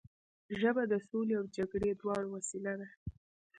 ژبه د سولې او جګړې دواړو وسیله ده